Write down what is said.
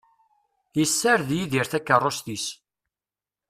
Yessared Yidir takerrust-is.